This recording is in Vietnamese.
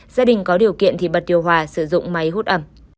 gia đình có điều kiện thì bật điều hòa sử dụng máy hút ẩm